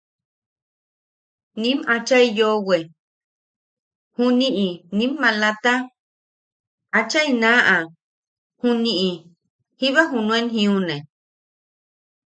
Nim achai yoʼowe, juniʼi nim maalata, achai naaʼa juniʼi jiba nuen jiune.